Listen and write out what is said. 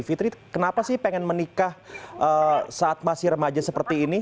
fitri kenapa sih pengen menikah saat masih remaja seperti ini